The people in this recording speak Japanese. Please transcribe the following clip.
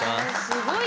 すごい。